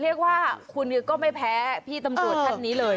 เรียกว่าคุณก็ไม่แพ้พี่ตำรวจท่านนี้เลย